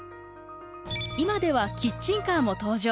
今ではキッチンカーも登場。